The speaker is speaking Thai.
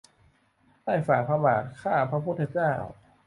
ใต้ฝ่าพระบาท ข้าพระพุทธเจ้า